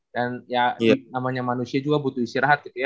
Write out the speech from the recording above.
dan ya namanya manusia juga butuh istirahat gitu ya